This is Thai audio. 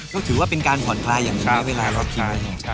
เขาถือว่าเป็นการผ่อนคลายอย่างนี้ไม่ได้เวลาคิด